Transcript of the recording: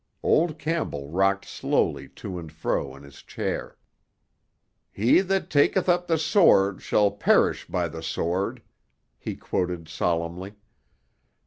Old Campbell rocked slowly to and fro in his chair. "'He that taketh up the sword shall perish by the sword,'" he quoted solemnly.